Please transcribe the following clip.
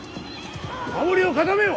守りを固めよ！